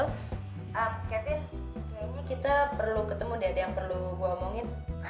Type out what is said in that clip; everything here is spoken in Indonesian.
oke kayaknya kita perlu ketemu deh ada yang perlu gue omongin